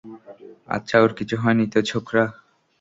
আচ্ছা, ওর কিছু হয়নি তো, ছোকরা?